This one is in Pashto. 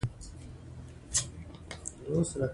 نفت د افغانستان د تکنالوژۍ پرمختګ سره تړاو لري.